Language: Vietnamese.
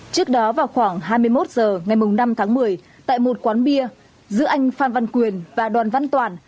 trước đó vào khoảng hai mươi một h ngày năm tháng một mươi tại một quán bia giữa anh phan văn quyền và đoàn văn toàn